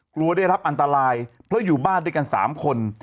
กลัวได้รับอันตรายเพราะอยู่บ้านด้วยกัน๓คน